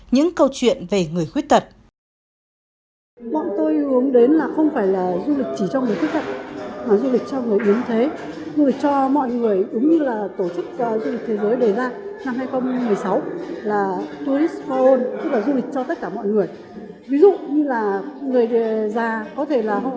những câu chuyện về người khuyết tật